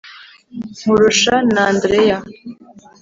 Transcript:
Nkurusha n'Andreya